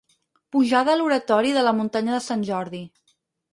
Pujada a l'oratori de la muntanya de Sant Jordi.